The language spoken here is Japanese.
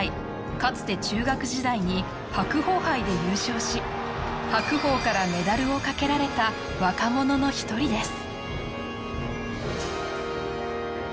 かつて中学時代に白鵬杯で優勝し白鵬からメダルをかけられた若者の一人です